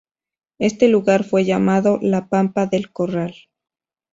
Este lugar fue llamado "La Pampa del Corral".